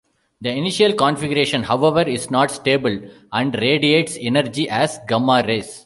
The initial configuration, however, is not stable and radiates energy as gamma rays.